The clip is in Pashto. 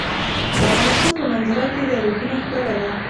د افغانستان په منظره کې دریابونه ښکاره ده.